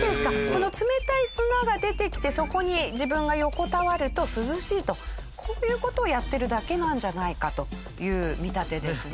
この冷たい砂が出てきてそこに自分が横たわると涼しいとこういう事をやってるだけなんじゃないかという見立てですね。